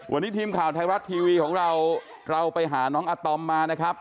วันนี้ทีมข่าวไทยรัฐทีวีของเราเราไปหาน้องอาตอมมานะครับ